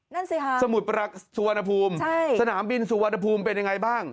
นั่นสิครับใช่สนามบินสุวรรณภูมิเป็นอย่างไรบ้าง